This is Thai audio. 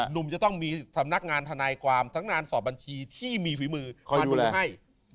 หนุ่มจะต้องมีสำนักงานทนายความทั้งงานสอบบัญชีที่มีฝีมือมาดูให้